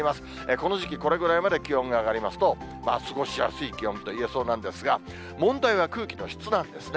この時期、これぐらいまで気温が上がりますと、過ごしやすい気温といえそうですが、問題は空気の質なんですね。